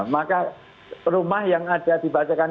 maka rumah yang ada dibacakan